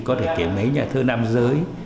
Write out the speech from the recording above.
có thể kể mấy nhà thơ nam giới